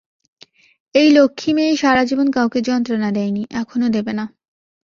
এই লক্ষ্মী মেয়ে সারাজীবন কাউকে যন্ত্রণা দেয় নি, এখনো দেবে না।